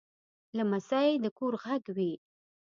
لمسی د کور غږ وي.